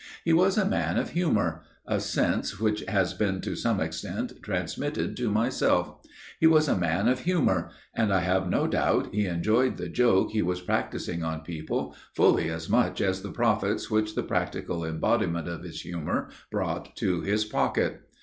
He was a man of humor, a sense which has been to some extent transmitted to myself, he was a man of humor, and I have no doubt he enjoyed the joke he was practising on people, fully as much as the profits which the practical embodiment of his humor brought to his pocket.